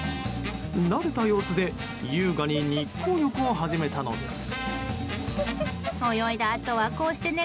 慣れた様子で優雅に日光浴を始めたのです。